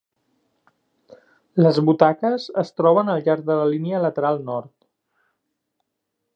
Les butaques es troben al llarg de la línia lateral nord.